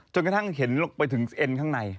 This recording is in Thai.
จนกระทั่งเห็นลงไปถึงเอ็นข้างใน